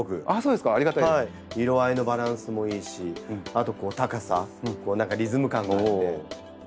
色合いのバランスもいいしあと高さ何かリズム感があって。